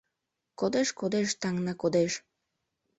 Кодеш-кодеш, таҥна кодеш.